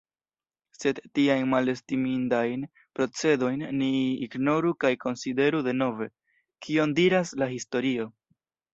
Sed tiajn malestimindajn procedojn ni ignoru kaj konsideru denove, kion diras la historio.